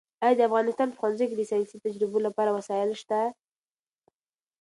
ایا د افغانستان په ښوونځیو کې د ساینسي تجربو لپاره وسایل شته؟